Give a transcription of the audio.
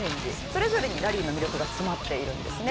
それぞれにラリーの魅力が詰まっているんですね。